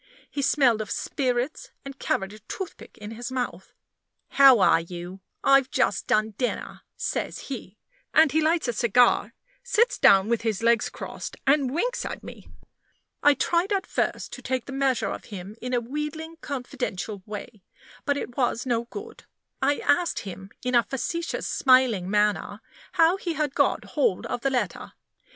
He smelled of spirits, and carried a toothpick in his mouth. "How are you? I've just done dinner," says he; and he lights a cigar, sits down with his legs crossed, and winks at me. I tried at first to take the measure of him in a wheedling, confidential way; but it was no good. I asked him, in a facetious, smiling manner, how he had got hold of the letter.